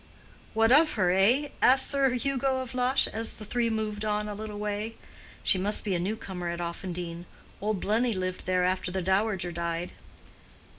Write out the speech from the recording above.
"What of her, eh?" asked Sir Hugo of Lush, as the three moved on a little way. "She must be a new comer at Offendene. Old Blenny lived there after the dowager died."